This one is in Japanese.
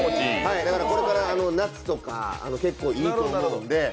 だからこれから夏とか、いいと思うので。